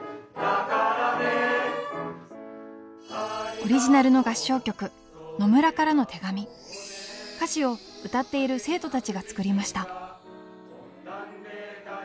オリジナルの合唱曲歌詞を歌っている生徒たちが作りました。